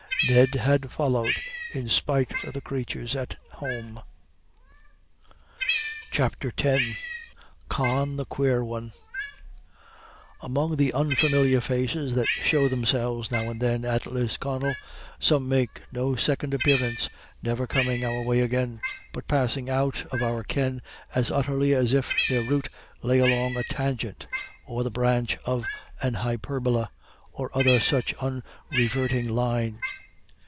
Ned had followed in spite of the crathurs at home. CHAPTER X CON THE QUARE ONE Among the unfamiliar faces that show themselves now and then at Lisconnel, some make no second appearance, never coming our way again, but passing out of our ken as utterly as if their route lay along a tangent, or the branch of an hyperbola, or other such unreverting line.